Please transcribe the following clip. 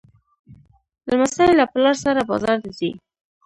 لمسی له پلار سره بازار ته ځي.